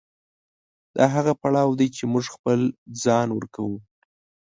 دا هغه پړاو دی چې موږ خپل ځان ورکوو.